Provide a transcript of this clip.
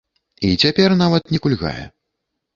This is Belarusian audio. І цяпер нават не кульгае.